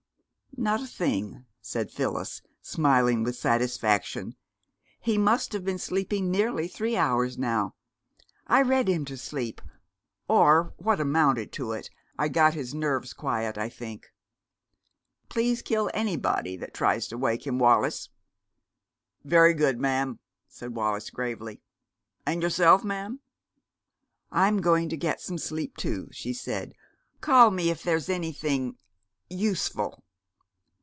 "Not a thing," said Phyllis, smiling with satisfaction. "He must have been sleeping nearly three hours now! I read him to sleep, or what amounted to it. I got his nerves quiet, I think. Please kill anybody that tries to wake him, Wallis." "Very good, ma'am," said Wallis gravely. "And yourself, ma'am?" "I'm going to get some sleep, too," she said. "Call me if there's anything useful."